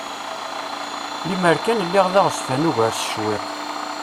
Lemmer kan lliɣ d aɣezfan ugar s cwiṭ!